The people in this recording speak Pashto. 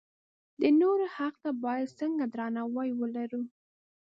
د نورو حق ته باید څنګه درناوی ولرو.